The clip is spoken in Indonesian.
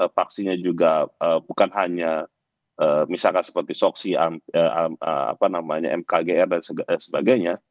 vaksinnya juga bukan hanya misalkan seperti soksi mkgr dan sebagainya